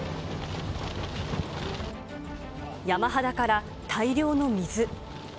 山肌から大量の水。